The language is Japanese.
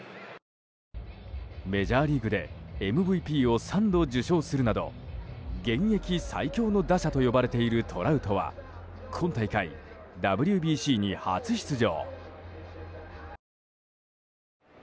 メジャーリーグでＭＶＰを３度受賞するなど現役最強の打者と呼ばれているトラウトは今大会、ＷＢＣに初出場。